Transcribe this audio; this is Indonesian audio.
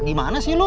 gimana sih lu